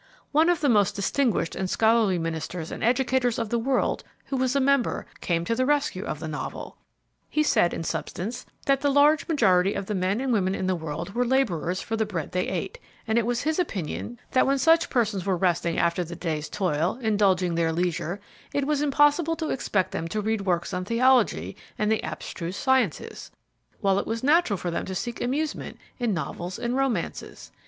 One of the most distinguished and scholarly ministers and educators of the world, who was a member, came to the rescue of the Novel. He said, in substance, that the large majority of the men and women in the world were laborers for the bread they ate, and it was his opinion that when such persons were resting after the day's toil, indulging their leisure, it was impossible to expect them to read works on theology and the abstruse sciences, while it was natural for them to seek amusement in novels and romances.